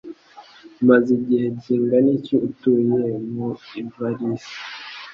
Umaze igihe kingana iki utuye mu ivarisi?